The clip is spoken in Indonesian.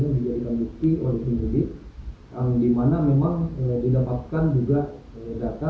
dimana memang didapatkan juga data